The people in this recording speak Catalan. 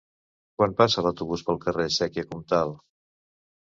Quan passa l'autobús pel carrer Sèquia Comtal?